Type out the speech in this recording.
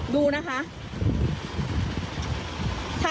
ดูนะคะ